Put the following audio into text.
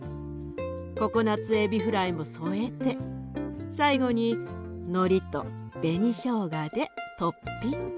ココナツエビフライも添えて最後にのりと紅しょうがでトッピング。